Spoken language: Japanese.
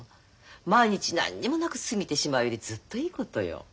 毎日何にもなく過ぎてしまうよりずっといいことよ。